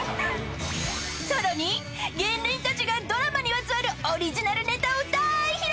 ［さらに芸人たちがドラマにまつわるオリジナルネタを大披露！］